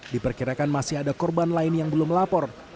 diperkirakan masih ada korban lain yang belum melapor